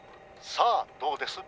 さあどうです？